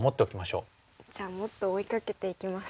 じゃあもっと追いかけていきます。